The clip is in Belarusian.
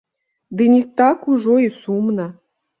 Дык не так ужо і сумна.